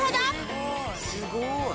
すごい！